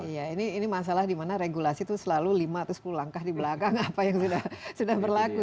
iya ini masalah dimana regulasi itu selalu lima atau sepuluh langkah di belakang apa yang sudah berlaku